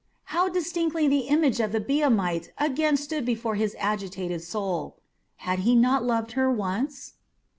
How distinctly the image of the Biamite again stood before his agitated soul! Had he not loved her once?